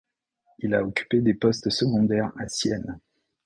Il a occupé des postes secondaires à Sienne.